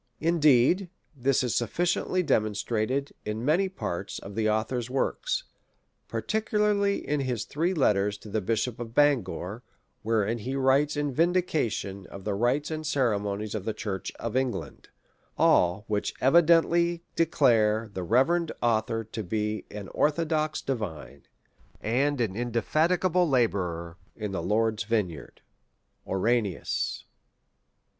Indeed, this is sufficiently de monstrated in many parts of this author's works, particularly in his Three Letters to the Bishop of Bangor, wherein he writes in vindication of the rites and ceremonies of the church of England : all which evidently declare the reverend author to be an ortho dox divine, and an indefatigable labourer in the Lord's vineyard. '* OuRANICJS."